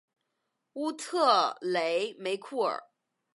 乌特雷梅库尔。